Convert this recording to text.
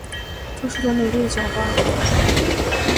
这是朵美丽的小花。